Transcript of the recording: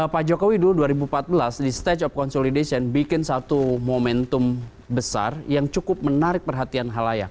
pak jokowi dulu dua ribu empat belas di stage of consolidation bikin satu momentum besar yang cukup menarik perhatian halayak